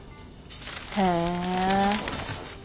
へえ。